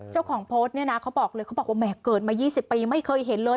เจ้าของโพสต์เนี่ยนะเขาบอกเลยเขาบอกว่าแหมเกิดมา๒๐ปีไม่เคยเห็นเลย